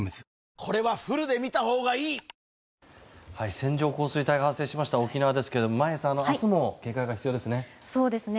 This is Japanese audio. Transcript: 線状降水帯が発生しました沖縄ですが眞家さん明日も警戒が必要ですね。